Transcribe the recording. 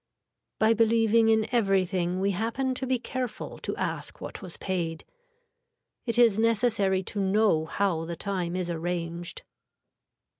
By believing in everything we happen to be careful to ask what was paid. It is necessary to know how the time is arranged.